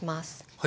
はい。